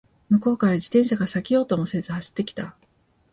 向こうから自転車が避けようともせず走ってきた